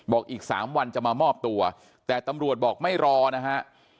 อีก๓วันจะมามอบตัวแต่ตำรวจบอกไม่รอนะฮะ